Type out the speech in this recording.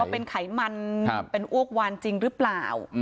เป็นไขมันเป็นอ้วกวานจริงหรือเปล่า